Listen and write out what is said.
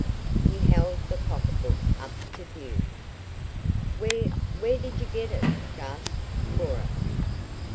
He held the pocketbook up to view. "Where where did you get it?" gasped Cora.